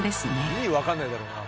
意味分かんないだろうなあ。